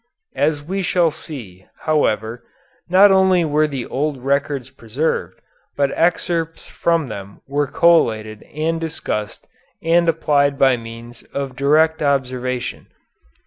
As we shall see, however, not only were the old records preserved, but excerpts from them were collated and discussed and applied by means of direct observation.